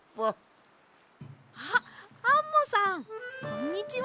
あっアンモさんこんにちは！